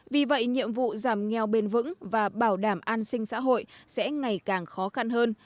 vì vậy nhiệm vụ giảm nghèo bền vững và bảo đảm an sinh xã hội sẽ ngày càng khó khăn hơn